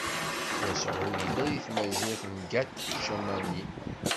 Yasuɛ yella di tmazirt n Gat-Camanim.